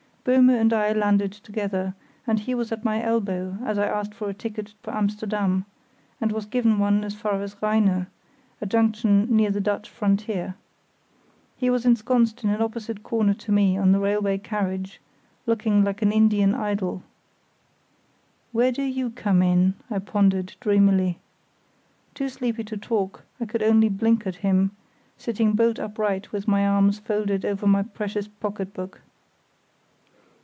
Böhme and I landed together, and he was at my elbow as I asked for a ticket for Amsterdam, and was given one as far as Rheine, a junction near the Dutch frontier. He was ensconced in an opposite corner to me in the railway carriage, looking like an Indian idol. "Where do you come in?" I pondered, dreamily. Too sleepy to talk, I could only blink at him, sitting bolt upright with my arms folded over my precious pocket book.